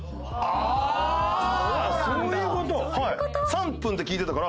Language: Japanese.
３分って聞いてたから。